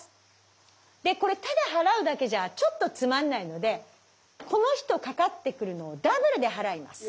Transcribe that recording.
でこれただ払うだけじゃちょっとつまんないのでこの人かかってくるのをダブルで払います。